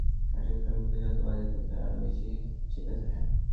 কাঠের ফ্রেম বুকে যত বাজে ততই আরো বেশি চেপে ধরে।